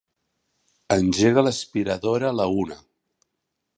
Engega l'aspiradora a la una.